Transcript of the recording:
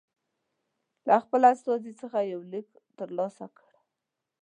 له خپل استازي څخه یو لیک ترلاسه کړ.